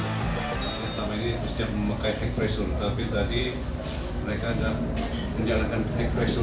saya selama ini bersijap memakai ekpresi tapi tadi mereka menjalankan ekpresi